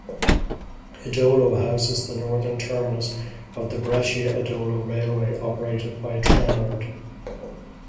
Edolo houses the northern terminus of the Brescia-Edolo railway operated by Trenord.